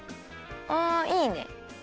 あいいね！